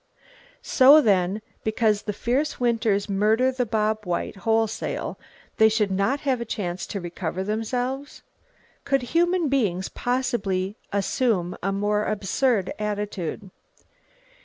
So then, because the fierce winters murder the bob white, wholesale, they should not have a chance to recover themselves! Could human beings possibly assume a more absurd attitude?